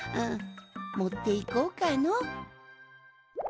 もっていこうかの。